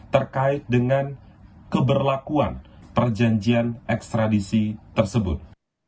terkait dengan keberlakuan perjanjian ekstradisi tersebut